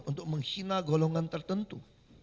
untuk menghina golongan tertentu